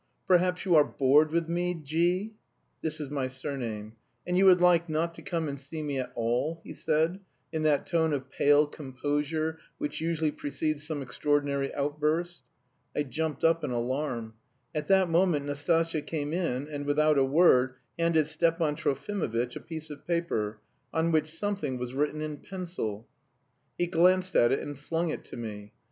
"Perhaps you are bored with me, G v (this is my surname), and you would like... not to come and see me at all?" he said in that tone of pale composure which usually precedes some extraordinary outburst. I jumped up in alarm. At that moment Nastasya came in, and, without a word, handed Stepan Trofimovitch a piece of paper, on which something was written in pencil. He glanced at it and flung it to me.